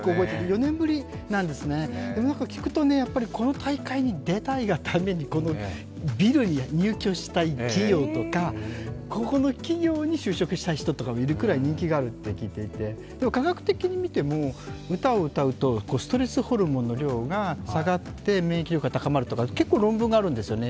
４年ぶりなんですね、聞くと、この大会に出たいがためにこのビルに入居したい企業とかここの企業に就職したい人もいるぐらい人気があるって聞いていて、でも科学的に見ても歌を歌うとストレスホルモンの量が下がって免疫力が高まるとか、結構論文があるんですよね。